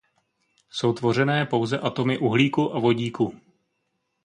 Jsou tvořené pouze atomy uhlíku a vodíku.